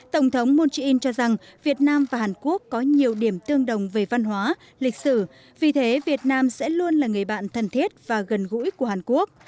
tổng thống moon jae in cho rằng việt nam và hàn quốc có nhiều điểm tương đồng về văn hóa lịch sử vì thế việt nam sẽ luôn là người bạn thân thiết và gần gũi của hàn quốc